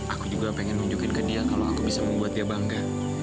aku juga pengen nunjukin ke dia kalau aku bisa membuat dia bangga